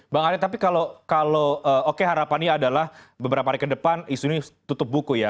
bang arya tapi kalau oke harapannya adalah beberapa hari ke depan isu ini tutup buku ya